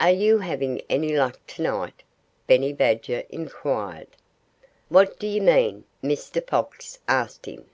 "Are you having any luck to night?" Benny Badger inquired. "What do you mean?" Mr. Fox asked him.